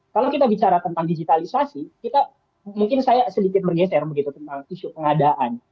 kalau kita bicara tentang digitalisasi mungkin saya sedikit bergeser begitu tentang isu pengadaan